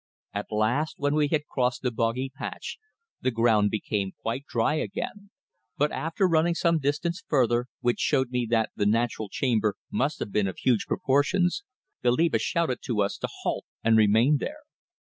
At last, when we had crossed the boggy patch, the ground became quite dry again, but after running some distance further, which showed me that the natural chamber must have been of huge proportions, Goliba shouted to us to halt and remain there.